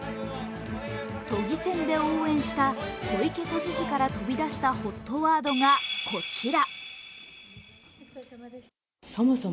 都議選で応援した小池都知事から飛び出したＨＯＴワードがこちら。